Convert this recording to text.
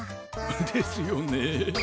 ですよね。